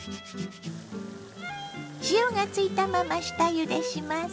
塩がついたまま下ゆでします。